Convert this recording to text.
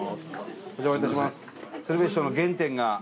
お邪魔いたします。